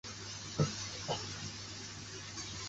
陆建章乃开始拉拢并试图收编樊钟秀部。